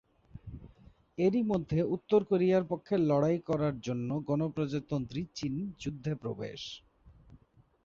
এর-ই মধ্যে উত্তর কোরিয়ার পক্ষে লড়াই করার জন্য গণপ্রজাতন্ত্রী চীন যুদ্ধে প্রবেশ।